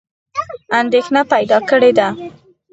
اندېښنه پیدا کړې ده.